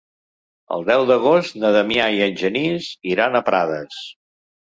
El deu d'agost na Damià i en Genís iran a Prades.